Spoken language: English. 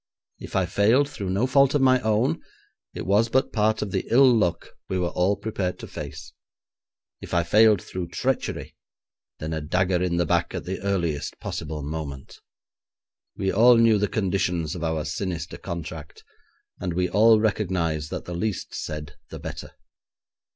If I failed through no fault of my own, it was but part of the ill luck we were all prepared to face. If I failed through treachery, then a dagger in the back at the earliest possible moment. We all knew the conditions of our sinister contract, and we all recognised that the least said the better.